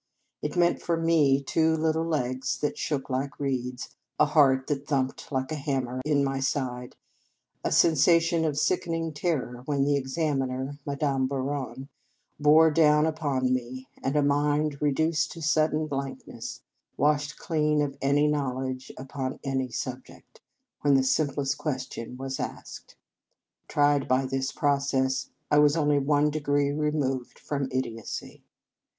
It meant for me two little legs that shook like reeds, a heart that thumped like a hammer in my side, a sensation of sickening terror when the examiner Madame Bouron bore down upon me, and a mind reduced to sudden blankness, washed clean of any know ledge upon any subject, when the simplest question was asked. Tried by this process, I was only one degree removed from idiocy.